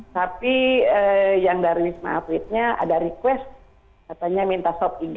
tapi yang dari smartletenya ada request katanya minta sop tiga